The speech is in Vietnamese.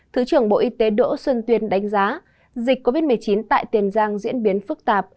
thứ trưởng bộ y tế đỗ xuân tuyên đánh giá dịch covid một mươi chín tại tiền giang diễn biến phức tạp